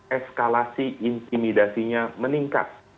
eskalasi intimidasinya meningkat